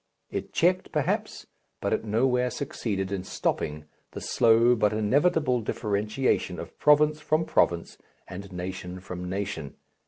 It checked, perhaps, but it nowhere succeeded in stopping the slow but inevitable differentiation of province from province and nation from nation.